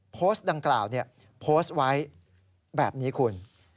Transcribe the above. โพสต์ดังกล่าวโพสต์ไว้แบบนี้คุณ